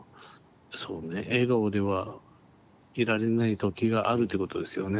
笑顔ではいられない時があるってことですよね。